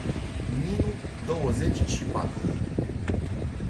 Ninu, douăzeci și patru.